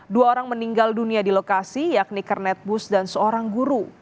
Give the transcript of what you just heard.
dua orang meninggal dunia di lokasi yakni kernet bus dan seorang guru